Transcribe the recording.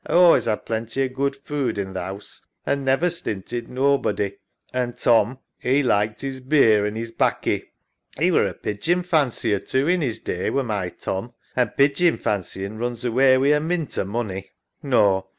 A allays 'ad a plenty o' good food in th' 'ouse an' never stinted nobody, an' Tom 'e liked 'is beer an' 'is baccy. 'E were a pigeon fancier too in 'is day, were my Tom, an' pigeon fancying runs away wi' a mint o' money. No.